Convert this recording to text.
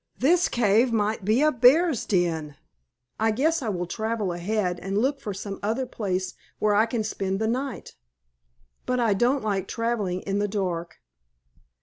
"This cave might be a bear's den. I guess I will travel ahead and look for some other place where I can spend the night. But I don't like traveling in the dark."